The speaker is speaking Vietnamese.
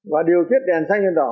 và điều tiết đèn xanh hơn đỏ